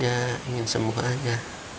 ya ingin sembuh aja